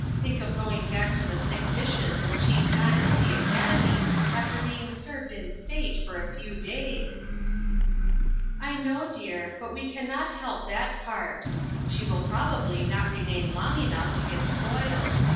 Think of going back to the thick dishes and cheap knives of the academy after being served in state for a few days!" " I know, dear ; but we can not help that AN OPEN DOOR. part. She will probably not remain long enough to get spoiled.